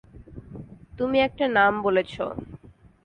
তুমি একটা নাম বলেছ।